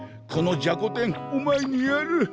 このじゃこ天お前にやる。